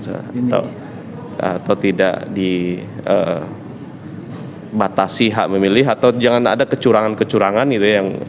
atau tidak dibatasi hak memilih atau jangan ada kecurangan kecurangan gitu yang